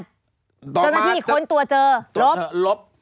เจ้าหน้าที่ค้นตัวเจอลบลบ